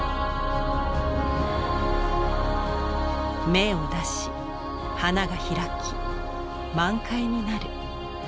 芽を出し花が開き満開になる。